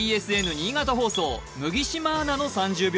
新潟放送麦島アナの３０秒